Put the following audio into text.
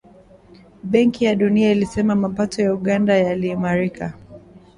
Benki ya Dunia ilisema mapato ya Uganda yaliimarika